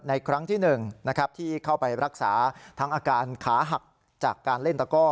ครั้งที่๑ที่เข้าไปรักษาทั้งอาการขาหักจากการเล่นตะก้อ